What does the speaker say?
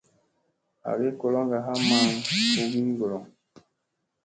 Hagi koloŋga haa maŋ ɓugigolo.